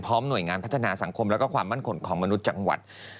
หน่วยงานพัฒนาสังคมและความมั่นขนของมนุษย์จังหวัด